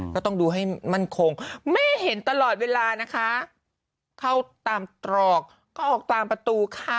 ก็ต้องดูให้มั่นคงแม่เห็นตลอดเวลานะคะเข้าตามตรอกก็ออกตามประตูค่ะ